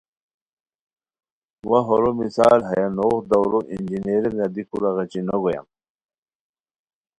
وا ہورو مثال ہیہ نوغ دَورو انجینئرینگہ دی کورہ غیچی نو گویان